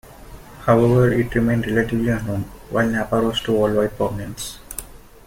However, it remained relatively unknown, while Napa rose to worldwide prominence.